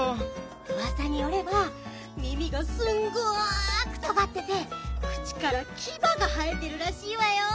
うわさによれば耳がすんごくとがってて口からキバが生えてるらしいわよ。